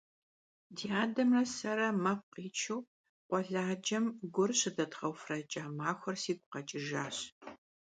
Ди адэрэ сэрэ мэкъу къитшу къуэладжэм гур щыдэдгъэуфэрэкӏа махуэр сигу къэкӏижащ.